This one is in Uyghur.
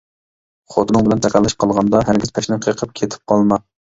خوتۇنۇڭ بىلەن تاكاللىشىپ قالغاندا ھەرگىز پەشنى قېقىپ كېتىپ قالما.